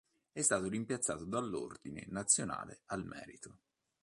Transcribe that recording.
È stato rimpiazzato dal Ordine nazionale al merito.